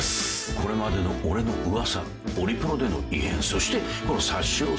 これまでの俺の噂オリプロでの異変そしてこの差し押さえ札。